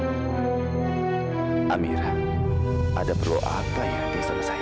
sampai jumpa di video selanjutnya